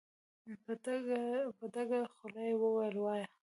په ډکه خوله يې وويل: وايه!